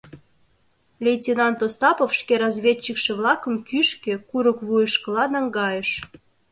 Лейтенант Остапов шке разведчикше-влакым кӱшкӧ, курык вуйышкыла наҥгайыш.